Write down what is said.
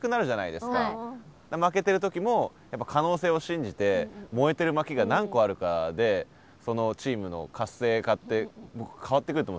負けてる時も可能性を信じて燃えてる薪が何個あるかでそのチームの活性化って変わってくると思うんですよ活力が。